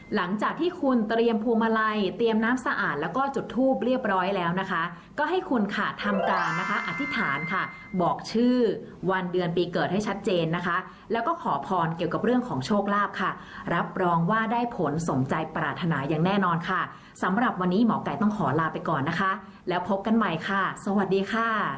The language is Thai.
หลังจากที่คุณเตรียมพวงมาลัยเตรียมน้ำสะอาดแล้วก็จุดทูบเรียบร้อยแล้วนะคะก็ให้คุณค่ะทำการนะคะอธิษฐานค่ะบอกชื่อวันเดือนปีเกิดให้ชัดเจนนะคะแล้วก็ขอพรเกี่ยวกับเรื่องของโชคลาภค่ะรับรองว่าได้ผลสมใจปรารถนาอย่างแน่นอนค่ะสำหรับวันนี้หมอไก่ต้องขอลาไปก่อนนะคะแล้วพบกันใหม่ค่ะสวัสดีค่ะ